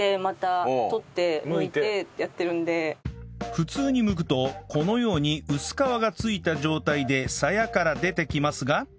普通にむくとこのように薄皮がついた状態でさやから出てきますが